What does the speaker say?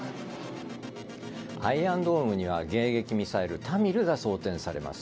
アイアンドームには迎撃ミサイルタミルが装填されます。